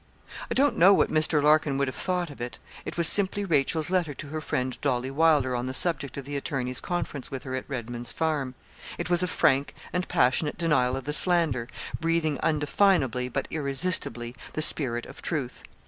I don't know what Mr. Larkin would have thought of it; it was simply Rachel's letter to her friend Dolly Wylder on the subject of the attorney's conference with her at Redman's Farm. It was a frank and passionate denial of the slander, breathing undefinably, but irresistibly, the spirit of truth.